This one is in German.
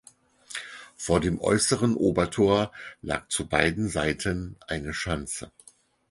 Vor dem "Äußeren Obertor" lag zu beiden Seiten eine Schanze.